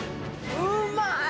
うまーい。